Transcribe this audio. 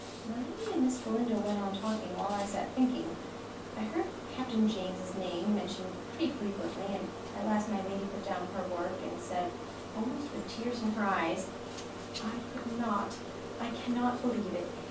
My lady and Miss Galindo went on talking, while I sat thinking. I heard Captain James's name mentioned pretty frequently; and at last my lady put down her work, and said, almost with tears in her eyes: "I could not—I cannot believe it.